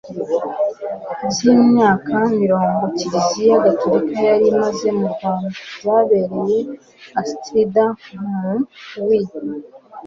by'imyaka mirongo kiliziya gatolika yari imaze mu rwanda byabereye astrida mu w'i )